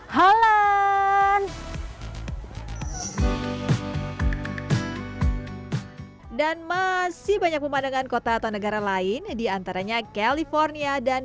holan dan masih banyak pemandangan kota atau negara lain diantaranya california dan